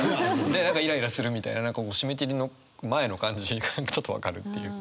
で何かイライラするみたいな締め切りの前の感じがちょっと分かるっていう。